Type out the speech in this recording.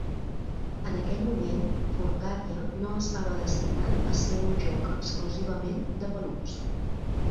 En aquell moment, "Furcadia" no estava destinat a ser un joc exclusivament de "peluts".